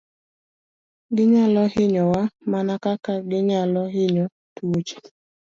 Ginyalo hinyowa mana kaka ginyalo hinyo tuoche.